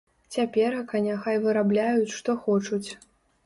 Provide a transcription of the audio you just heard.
Цяперака няхай вырабляюць што хочуць.